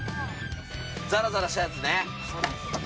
ザラザラしたやつね。